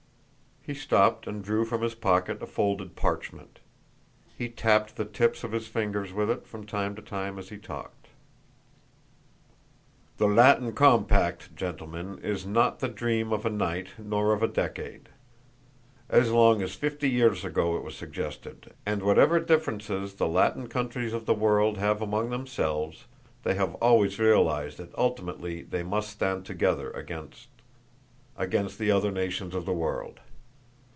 He stopped and drew from his pocket a folded parchment. He tapped the tips of his fingers with it from time to time as he talked. "The Latin compact, gentlemen, is not the dream, of a night, nor of a decade. As long as fifty years ago it was suggested, and whatever differences the Latin countries of the world have had among themselves, they have always realized that ultimately they must stand together against against the other nations of the world.